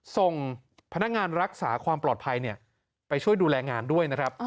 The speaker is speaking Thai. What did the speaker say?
ส่งพนักงานรักษาความปลอดภัยไปช่วยดูแลงานด้วยนะครับ